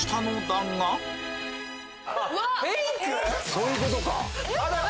そういうことか！